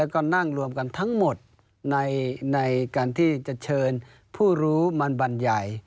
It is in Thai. แล้วก็นั่งรวมกันทั้งหมดในการที่จะเชิญผู้รู้มาบรรยาย